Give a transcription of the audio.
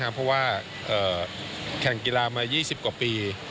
เพราะว่าแข่งกีฬามา๒๐กว่าปี